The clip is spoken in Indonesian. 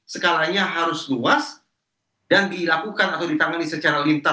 skalanya harus luas dan dilakukan atau ditangani secara lintas